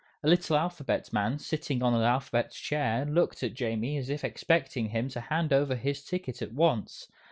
A little Alphabet Man sitting on an Alphabet Chair looked at Jamie as if expecting him to hand over his ticket at once.